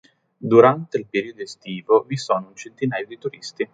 Durante il periodo estivo vi sono un centinaio di turisti.